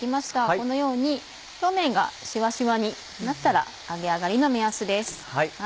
このように表面がしわしわになったら揚げ上がりの目安です。